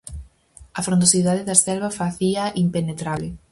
A frondosidade da selva facíaa impenetrable.